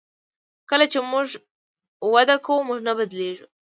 کله چې موږ وده کوو موږ نه بدلیږو.